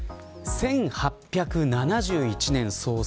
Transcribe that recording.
１８７１年創設